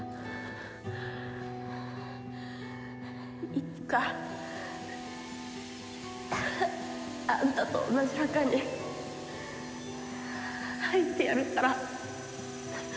いつかあんたと同じ墓に入ってやるから。